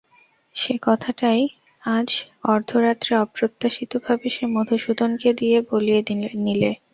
সেই কথাটাই আজ অর্ধরাত্রে অপ্রত্যাশিতভাবে কে মধুসূদনকে দিয়ে বলিয়ে নিলে।